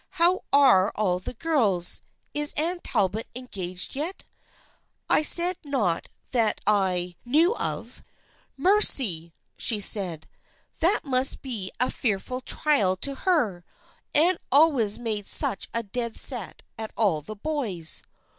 How are all the girls ? Is Anne Talbot engaged yet ? 1 I said not that I 320 THE FRIENDSHIP OF ANNE knew of. 1 Mercy !' she said. 'That must be a fearful trial to her. Anne always made such a dead set at all the boys